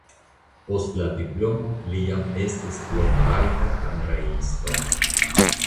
Post la diplomo li jam estis plenrajta kameraisto.